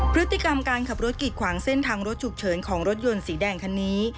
พฤติกรรมการขับรถกิดขวางเส้นทางรถฉุกเฉินของรถยนต์สีแดงคันนี้